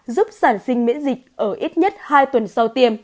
giúp sản sinh miễn dịch ở ít nhất hai tuần sau tiêm